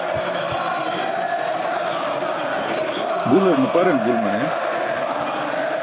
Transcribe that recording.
Gular nuparan gul mane.